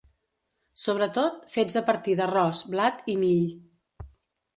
Sobretot fets a partir d’arròs, blat i mill.